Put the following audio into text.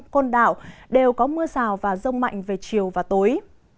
côn đảo đều có mưa rào và rông mạnh về chiều và tối